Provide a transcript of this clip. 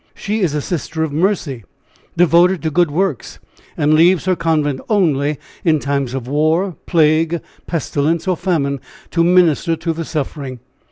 She is a Sister of Mercy, devoted to good works, and leaves her convent only in times of war, plague, pestilence or famine, to minister to the suffering.